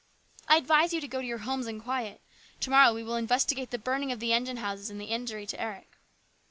" I advise you to go to your homes in quiet. To morrow we will investigate the burning of the engine house and the injury to Eric."